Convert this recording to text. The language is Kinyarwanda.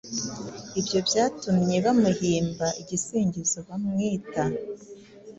Ibyo byatumyebamuhimba igisingizo bamwita “